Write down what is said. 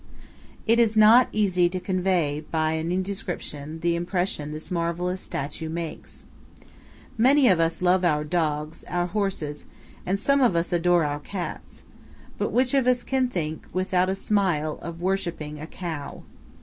It is not easy to convey by any description the impression this marvellous statue makes. Many of us love our dogs, our horses, some of us adore our cats; but which of us can think, without a smile, of worshipping a cow?